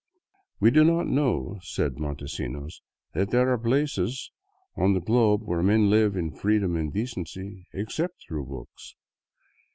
" We do not know," said Montesinos, " that there are places on the globe where men live in freedom and decency, except from books."